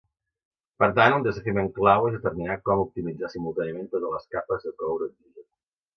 Per tant, un desafiament clau és determinar com optimitzar simultàniament totes les capes de coure-oxigen.